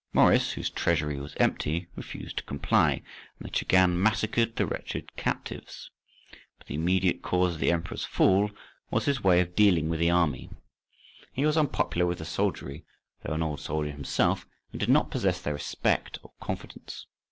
Maurice—whose treasury was empty—refused to comply, and the Chagan massacred the wretched captives. But the immediate cause of the emperor's fall was his way of dealing with the army. He was unpopular with the soldiery, though an old soldier himself, and did not possess their respect or confidence.